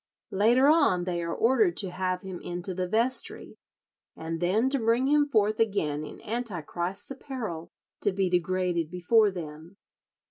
Later on they are ordered to have him into the vestry, and then to bring him forth again in Antichrist's apparel to be degraded before them.